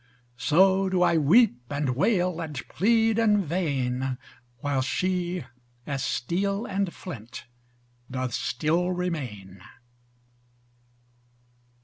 So do I weep, and wail, and plead in vain, Whiles she as steel and flint doth still remain.